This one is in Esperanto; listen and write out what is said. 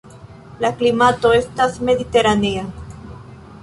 La klimato estas mediteranea.